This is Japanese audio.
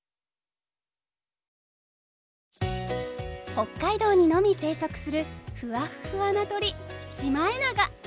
北海道にのみ生息するふわっふわな鳥シマエナガ。